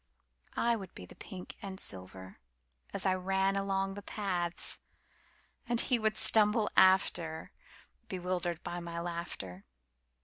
I would be the pink and silver as I ran along the paths, And he would stumble after, Bewildered by my laughter.